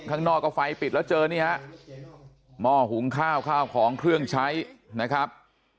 ข้างนอกก็ไฟปิดแล้วเจอนี่ฮะหม้อหุงข้าวข้าวของเครื่องใช้นะครับ